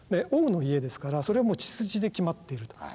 王の家ですからそれはもう血筋で決まっていると。